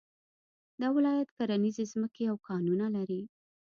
دا ولايت کرنيزې ځمکې او کانونه لري